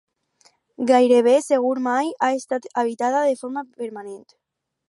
Gairebé segur mai ha estat habitada de forma permanent.